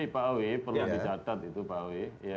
perlu dicatat itu pak w